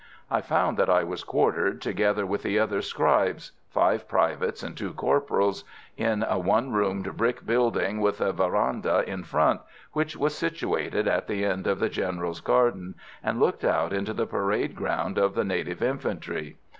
I found that I was quartered, together with the other scribes five privates and two corporals in a one roomed brick building with a verandah in front, which was situated at the end of the General's garden, and looked out into the parade ground of the native infantry.